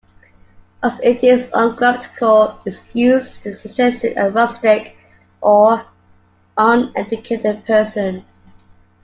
As it is ungrammatical, its use suggests a rustic or uneducated person.